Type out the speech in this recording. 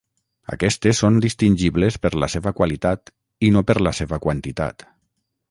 Aquestes són distingibles per la seva qualitat i no per la seva quantitat.